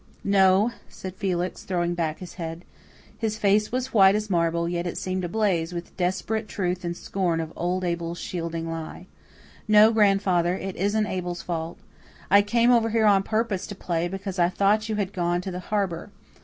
"No," said Felix, throwing back his head. His face was as white as marble, yet it seemed ablaze with desperate truth and scorn of old Abel's shielding lie. "No, grandfather, it isn't Abel's fault. I came over here on purpose to play, because I thought you had gone to the harbour.